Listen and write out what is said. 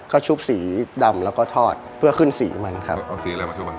ก็ชุบสีดำแล้วก็ทอดเพื่อขึ้นสีมันครับเอาสีอะไรมาชุบมัน